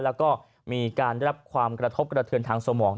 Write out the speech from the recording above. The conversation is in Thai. แล้วก็มีการได้รับความกระทบกระเทือนทางสมอง